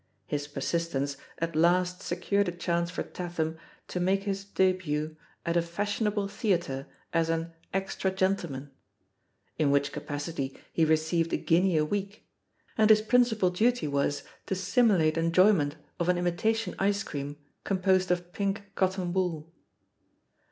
His persistence at last secured a chance for Tatham to make his debut at a fashionable theatre as an "extra gentleman"— » in which capacity he received a guinea a week, and his principal duty was to simulate enjoy ment of an imitation ice cream composed of pink cotton wool.